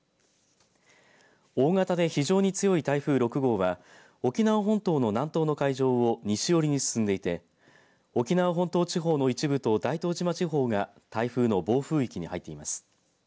大型で非常に強い台風６号は沖縄本島の南東の海上を西寄りに進んでいて沖縄本島地方の一部と大東島地方が台風の暴風域に入っています。